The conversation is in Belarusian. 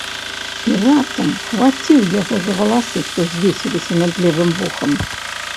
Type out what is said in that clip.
І раптам хваціў яго за валасы, што звесіліся над левым вухам.